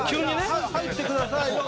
さあ入ってくださいよ。